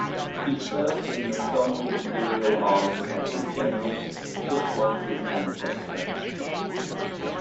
He served in the Song imperial army as a general, just like his ancestor.